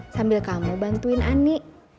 sambil kamu bantuin ani